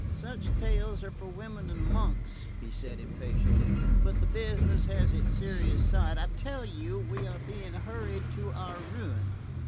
"Such tales are for women and monks," he said impatiently. "But the business has its serious side. I tell you we are being hurried to our ruin.